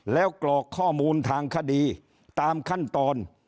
แล้วกรอกข้อมูลทางคดีตามขั้นตอน